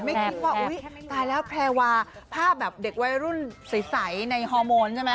ไม่คิดว่าอุ๊ยตายแล้วแพรวาภาพแบบเด็กวัยรุ่นใสในฮอร์โมนใช่ไหม